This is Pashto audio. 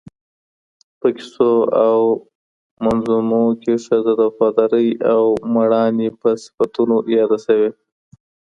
په کیسو او منظومو کي ښځه د وفادارۍ او مېړانې په صفتونو یاده سوی